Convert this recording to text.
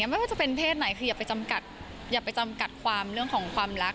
ไม่ว่าจะเป็นเพศไหนคืออย่าไปจำกัดอย่าไปจำกัดความเรื่องของความรัก